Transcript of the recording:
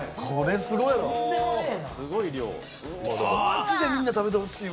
まじでみんな食べてほしいわ。